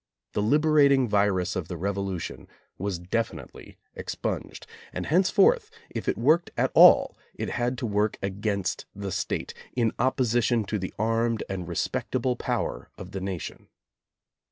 The liberating virus of the Revolution was definitely expunged, and henceforth if it worked at all it had to work against the State, in opposition to the armed and respectable power of the nation.